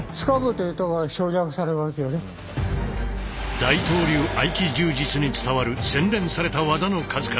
大東流合気柔術に伝わる洗練された技の数々。